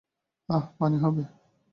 আহহহ পানি হবে।